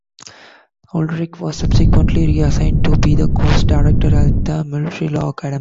Ulrikh was subsequently reassigned to be the course director at the Military Law Academy.